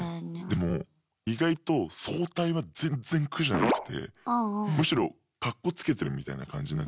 でも意外と早退は全然苦じゃなくてむしろカッコつけてるみたいな感じになって。